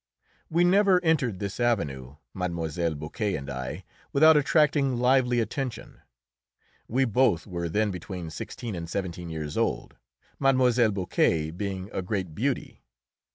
We never entered this avenue, Mlle. Boquet and I, without attracting lively attention. We both were then between sixteen and seventeen years old, Mlle. Boquet being a great beauty.